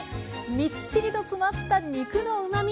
みっちりと詰まった肉のうまみ。